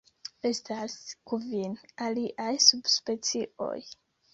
Estas kvin aliaj subspecioj.